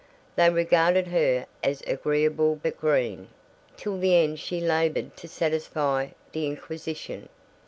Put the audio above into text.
They regarded her as agreeable but green. Till the end she labored to satisfy the inquisition.